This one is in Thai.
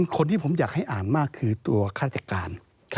คนที่ผมอยากให้อ่านมากคือตัวฆาติการ